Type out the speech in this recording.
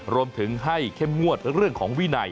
รวมถึงให้เข้มงวดเรื่องของวินัย